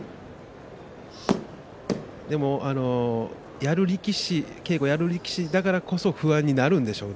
でも、稽古をやる力士だからこそ不安になるんでしょうね。